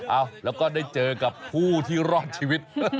เอ้าแล้วก็ได้เจอกับผู้ที่รอดชีวิต